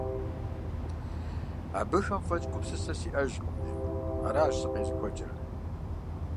Абыхэм фӀэкӀ гупсысэ сиӀэжкъыми, аращ сыкъезыхуэкӀыр.